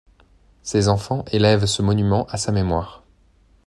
Ses enfans élèvent ce monument à sa mémoire.